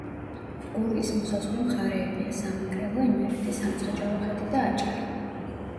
გურიის მოსაზღვრე მხარეებია: სამეგრელო, იმერეთი, სამცხე-ჯავახეთი და აჭარა.